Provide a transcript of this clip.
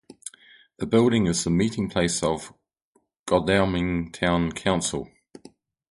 The building is the meeting place of Godalming Town Council.